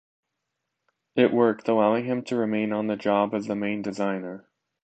It worked, allowing him to remain on the job as the main designer.